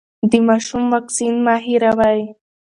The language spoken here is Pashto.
د ماشوم واکسین مه هېروئ.